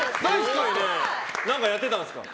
何かやってたんですか？